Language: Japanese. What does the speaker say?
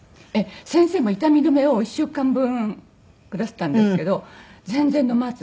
先生も痛み止めを１週間分くだすったんですけど全然飲まず。